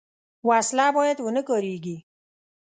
وسله باید ونهکارېږي